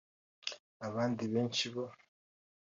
Abandi benshi bo